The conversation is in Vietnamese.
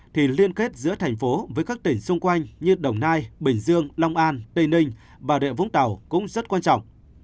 thì liên kết giữa thành phố với các tỉnh xung quanh như đồng nai bình dương long an tây ninh bà rịa vũng tàu cũng rất quan trọng